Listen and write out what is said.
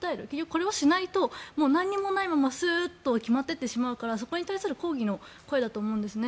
これをしないと何もないままスーッと決まっていってしまうからそこに対する抗議の声だと思うんですね。